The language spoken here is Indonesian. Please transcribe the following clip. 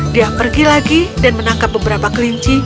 dia pergi lagi dan menangkap beberapa kelinci